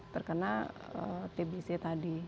terkena tbc tadi